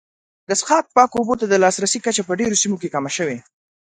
د څښاک پاکو اوبو ته د لاسرسي کچه په ډېرو سیمو کې کمه شوې.